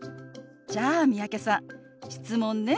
じゃあ三宅さん質問ね。